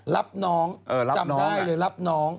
รับน้องกับที่น้อง